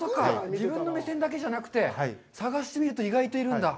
自分の目線だけじゃなくて、探してみると意外といるんだ？